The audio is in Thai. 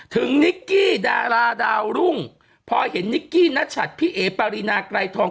นิกกี้ดาราดาวรุ่งพอเห็นนิกกี้นัชัดพี่เอ๋ปารีนาไกรทอง